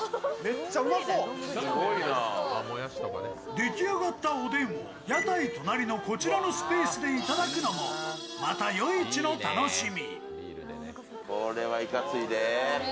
でき上がったおでんを屋台隣のこちらのスペースでいただくのも、また夜市の楽しみ。